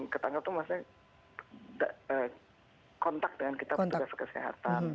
ketanggal itu maksudnya kontak dengan kita petugas kesehatan